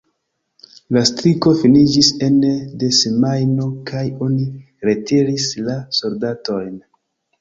La striko finiĝis ene de semajno kaj oni retiris la soldatojn.